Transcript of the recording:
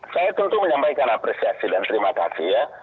saya tentu menyampaikan apresiasi dan terima kasih ya